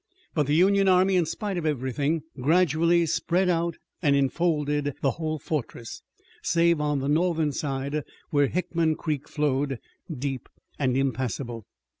But the Union army, in spite of everything, gradually spread out and enfolded the whole fortress, save on the northern side where Hickman Creek flowed, deep and impassable.